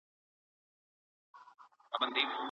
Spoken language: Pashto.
قلمي خط د یاداښتونو غوره طریقه ده.